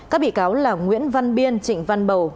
các bị cáo là nguyễn văn biên trịnh văn bầu